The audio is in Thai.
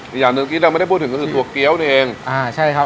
อีกอย่างหนึ่งที่เราไม่ได้พูดถึงก็คือตัวเกี้ยวนี่เองอ่าใช่ครับ